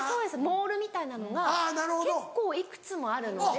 モールみたいなのが結構いくつもあるので。